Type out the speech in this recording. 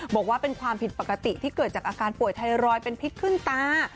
บอกว่าเป็นความผิดปกติที่เกิดจากอาการป่วยไทรอยด์เป็นพิษขึ้นตา